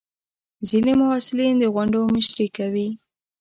ځینې محصلین د غونډو مشري کوي.